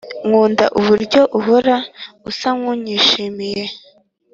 nkunda uburyo uhora usa nkunyishimira